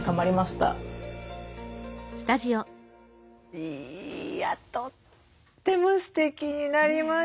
いやとってもステキになりましたよね。